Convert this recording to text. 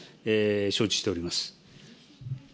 承知しております。